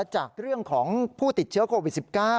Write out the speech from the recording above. จากเรื่องของผู้ติดเชื้อโควิด๑๙